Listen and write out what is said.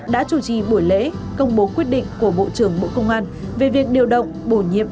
đã chủ trì buổi lễ công bố quyết định của bộ trưởng bộ công an về việc điều động bổ nhiệm